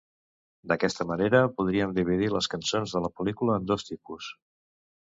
D'aquesta manera, podríem dividir les cançons de la pel·lícula en dos tipus.